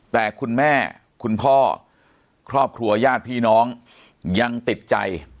แต่คุณแม่คุณพ่อครอบครัวญาติพี่น้องยังติดใจ